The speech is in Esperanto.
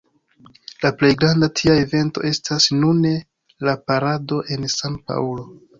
La plej granda tia evento estas nune la parado en San-Paŭlo.